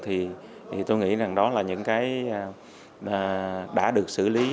thì tôi nghĩ rằng đó là những cái đã được xử lý